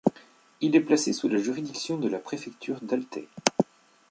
Il est placé sous la juridiction de la préfecture d'Altay.